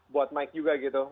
buat mike juga gitu